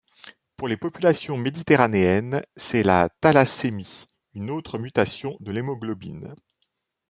Pour des populations méditerranéennes, c’est la thalassémie, une autre mutation de l’hémoglobine.